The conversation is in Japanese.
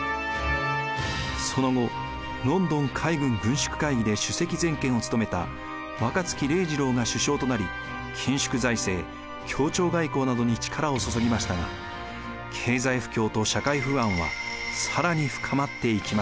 その後ロンドン海軍軍縮会議で首席全権をつとめた若槻礼次郎が首相となり緊縮財政協調外交などに力を注ぎましたが経済不況と社会不安は更に深まっていきました。